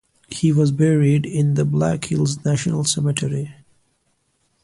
He was buried in the Black Hills National Cemetery.